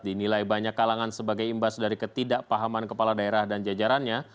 dinilai banyak kalangan sebagai imbas dari ketidakpahaman kepala daerah dan jajarannya